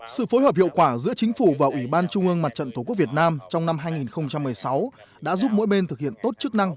sự phối hợp hiệu quả giữa chính phủ và ủy ban trung ương mặt trận tổ quốc việt nam trong năm hai nghìn một mươi sáu đã giúp mỗi bên thực hiện tốt chức năng